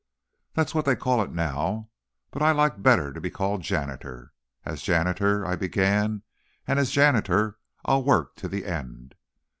"That's what they call it now, but I like better to be called janitor. As janitor I began, and as janitor I'll work to the end.